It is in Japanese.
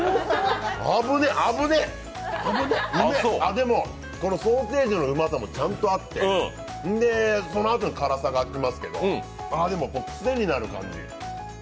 あぶね、あぶね、うめでもソーセージのうまさもちゃんとあって、そのあとに辛さが来ますけどでも、癖になる感じ。